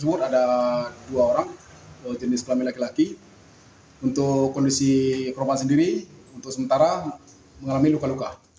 sebuah mobil yang tertimpa oleh pohon di jalan lintas